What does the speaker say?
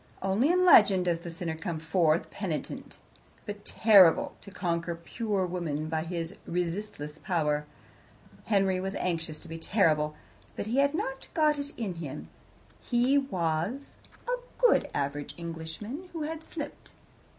Only in legend does the sinner come forth penitent, but terrible, to conquer pure woman by his resistless power. Henry was anxious to be terrible, but had not got it in him. He was a good average Englishman, who had slipped.